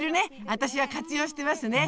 私は活用してますね。